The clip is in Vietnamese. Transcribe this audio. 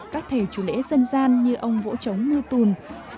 các thầy chủ lễ dân gian như ông vỗ trống mưu tùn